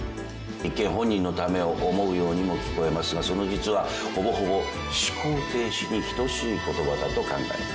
一見本人のためを思うようにも聞こえますがその実はほぼほぼ思考停止に等しい言葉だと考えます。